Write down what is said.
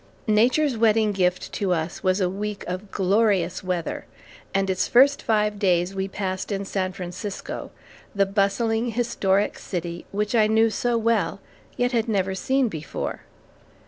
Nature's wedding gift to us was a week of glorious weather, and its first five days we passed in San Francisco, the bustling, historic city, which I knew so well, yet had never seen before.